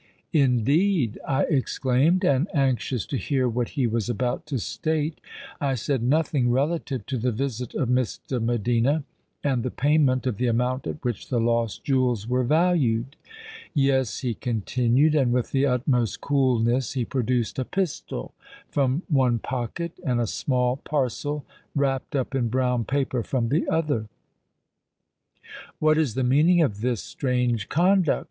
_'—'Indeed!' I exclaimed: and, anxious to hear what he was about to state, I said nothing relative to the visit of Miss de Medina and the payment of the amount at which the lost jewels were valued.—'Yes,' he continued: and, with the utmost coolness, he produced a pistol from one pocket and a small parcel, wrapped up in brown paper, from the other.—'_What is the meaning of this strange conduct?